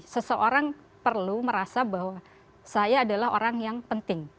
seseorang perlu merasa bahwa saya adalah orang yang penting